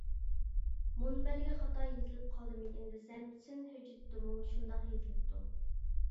مۇنبەرگە خاتا يېزىلىپ قالدىمىكىن دېسەم سىن ھۆججىتىدىمۇ شۇنداق يېزىلىپتۇ.